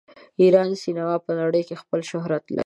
د ایران سینما په نړۍ کې خپل شهرت لري.